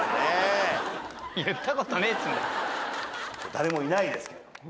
誰もいないですけれども。